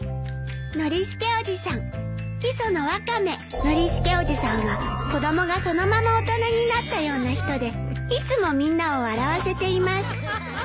「『ノリスケおじさん』磯野ワカメ」「ノリスケおじさんは子供がそのまま大人になったような人でいつもみんなを笑わせています」